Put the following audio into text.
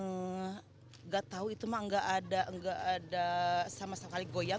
nggak tahu itu mah nggak ada sama sekali goyang